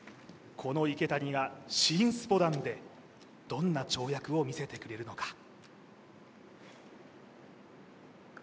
この池谷が新スポダンでどんな跳躍を見せてくれるのか？